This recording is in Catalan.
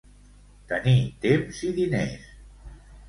Tenir temps i diners.